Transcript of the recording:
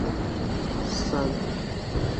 这个故事隶属于他的机器人系列的作品。